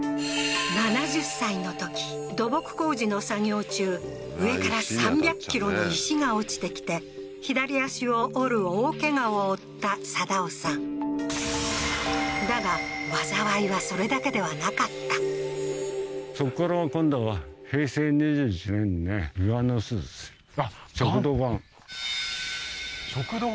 ７０歳のとき土木工事の作業中上から３００ｋｇの石が落ちてきて左足を折る大ケガを負った定夫さんだが災いはそれだけではなかった食道癌？